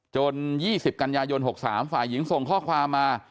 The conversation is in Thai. ๒๐กันยายน๖๓ฝ่ายหญิงส่งข้อความมา